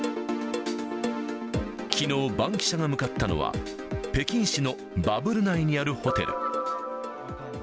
きのう、バンキシャが向かったのは北京市のバブル内にあるホテル。